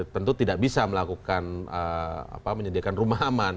tentu tidak bisa melakukan apa menyediakan rumah aman